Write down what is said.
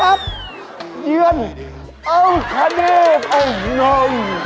อ้าวสิบน้อง